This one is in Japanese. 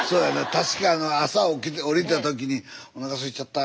確か朝降りた時におなかすいちゃった